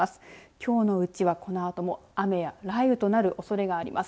きょうのうちは、このあとも雨や雷雨となるおそれがあります。